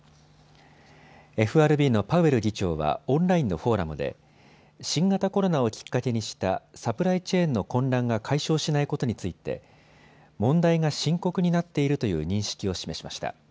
ＦＲＢのパウエル議長はオンラインのフォーラムで新型コロナをきっかけにしたサプライチェーンの混乱が解消しないことについて問題が深刻になっているという認識を示しました。